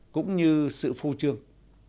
cũng như sự phu trương